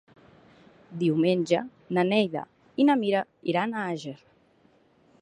Diumenge na Neida i na Mira iran a Àger.